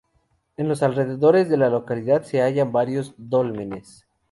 En los alrededores de la localidad se hallan varios dólmenes.